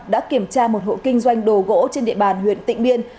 đã kiểm tra một hộ kinh doanh đồ gỗ trên địa bàn huyện tịnh biên